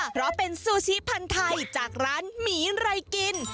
เพราะเป็นซูชิพันธุ์ไทยจากร้านหมีไรกิน